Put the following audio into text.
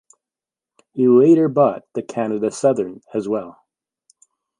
He later bought the Canada Southern as well.